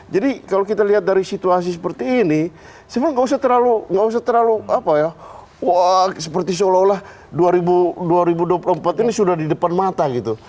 jadi kalau kita lihat dari situasi seperti ini sebenarnya gak usah terlalu apa ya seperti seolah olah dua ribu dua puluh empat ini sudah di depan mata gitu